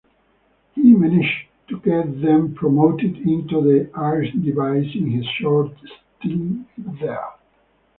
He managed to get them promoted into the Eredivisie in his short stint there.